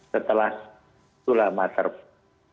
kita sudah scan ressknown dari